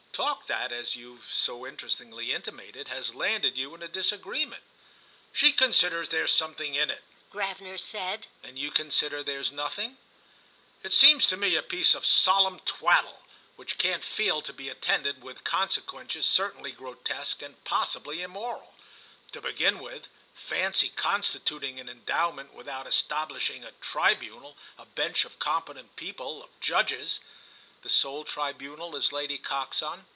"Talk that, as you've so interestingly intimated, has landed you in a disagreement." "She considers there's something in it," Gravener said. "And you consider there's nothing?" "It seems to me a piece of solemn twaddle—which can't fail to be attended with consequences certainly grotesque and possibly immoral. To begin with, fancy constituting an endowment without establishing a tribunal—a bench of competent people, of judges." "The sole tribunal is Lady Coxon?"